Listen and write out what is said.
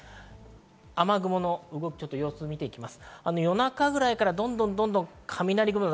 雨雲の動きを見ていきます。